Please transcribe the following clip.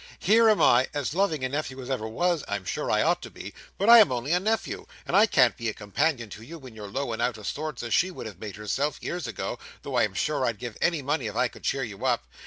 Here am I, as loving a nephew as ever was (I am sure I ought to be!) but I am only a nephew, and I can't be such a companion to you when you're low and out of sorts as she would have made herself, years ago, though I'm sure I'd give any money if I could cheer you up.